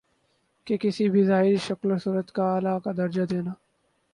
کہ کسی بھی ظاہری شکل و صورت کو الہٰ کا درجہ دینا